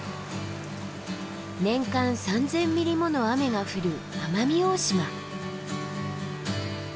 年間３，０００ミリもの雨が降る奄美大島。